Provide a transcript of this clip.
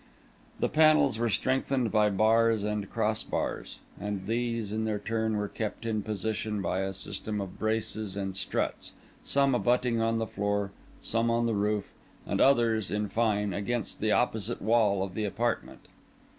The panels were strengthened by bars and cross bars; and these, in their turn, were kept in position by a system of braces and struts, some abutting on the floor, some on the roof, and others, in fine, against the opposite wall of the apartment.